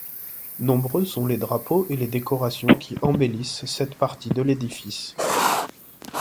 Nombreux sont les drapeaux et les décorations qui embellissent cette partie de l'édifice.